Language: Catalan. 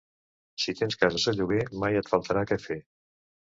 Si tens cases a lloguer, mai et faltarà quefer.